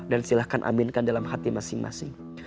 dan silahkan aminkan dalam hati masing masing